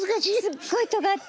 すっごいとがって。